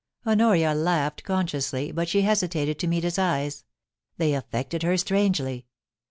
Honoria laughed consciously, but she hesitated to meet his eyes ; they affected her strangely.